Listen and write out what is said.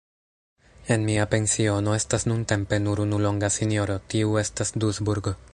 En mia pensiono estas nuntempe nur unu longa sinjoro, tiu estas Dusburg.